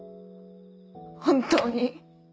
本当に。